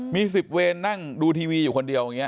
มี๑๐เวรนั่งดูทีวีอยู่คนเดียวอย่างนี้